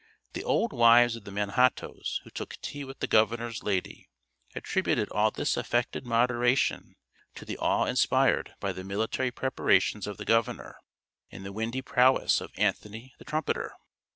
The old wives of the Manhattoes who took tea with the governor's lady attributed all this affected moderation to the awe inspired by the military preparations of the governor, and the windy prowess of Anthony the Trumpeter.